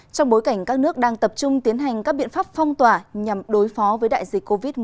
trong bối cảnh các nước đang tập trung tiến hành các biện pháp phong tỏa nhằm đối phó với đại dịch covid một mươi chín